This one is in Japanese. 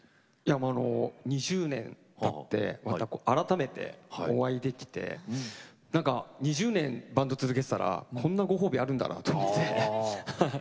２０年たって改めてお会いできて２０年バンド続けていたらこんなご褒美あるんだと思って。